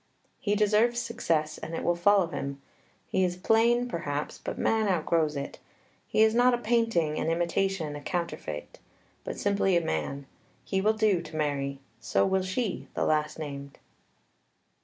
He deserves success, and it will follow him. He is plain, perhaps, but man outgrows it. He is not a painting, an imitation, a counterfeit, but simply a man. He will do to marry; so will she, the last named.